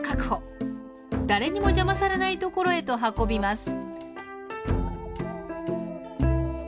誰にも邪魔されないところへと運びます。